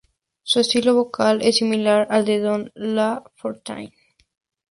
Su estilo vocal es similar al de Don LaFontaine.